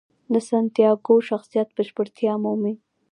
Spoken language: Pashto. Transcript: د سانتیاګو شخصیت بشپړتیا مومي.